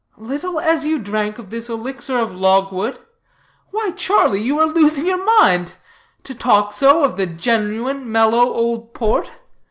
"Little as you drank of this elixir of logwood? Why, Charlie, you are losing your mind. To talk so of the genuine, mellow old port.